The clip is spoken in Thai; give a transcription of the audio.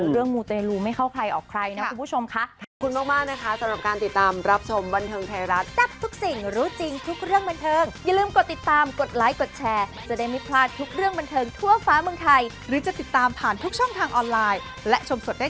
มูเตลูไม่เข้าใครออกใครนะคุณผู้ชมค่ะ